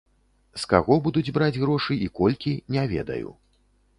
З каго будуць браць грошы і колькі, не ведаю.